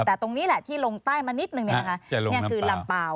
แต่ตรงนี้แหละที่ลงใต้มานิดนึงนี่คือลำเปล่า